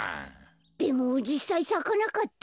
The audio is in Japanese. でもじっさいさかなかったんだ。